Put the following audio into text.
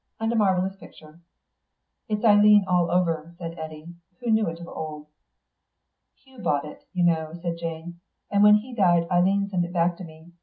And a marvellous picture." "It's Eileen all over," said Eddy, who knew it of old. "Hugh bought it, you know," said Jane. "And when he died Eileen sent it back to me.